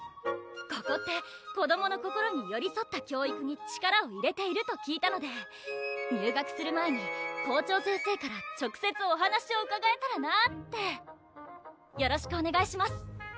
ここって子どもの心によりそった教育に力を入れていると聞いたので入学する前に校長先生から直接お話をうかがえたらなぁってよろしくおねがいします